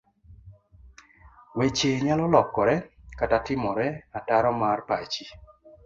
Weche nyalo lokore kata timore otaro mar pachi.